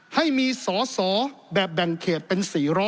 ให้มีสอสอแบบแบ่งเขตเป็น๔๐๐